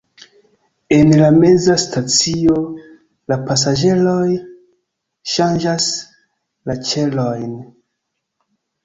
En la meza stacio la pasaĝeroj ŝanĝas la ĉelojn.